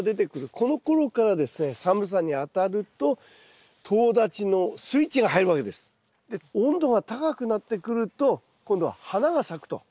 このころからですねで温度が高くなってくると今度は花が咲くと。